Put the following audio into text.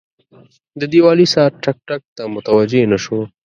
د دیوالي ساعت ټک، ټک ته متوجه نه شو.